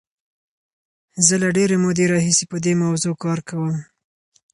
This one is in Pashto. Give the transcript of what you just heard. زه له ډېرې مودې راهیسې په دې موضوع کار کوم.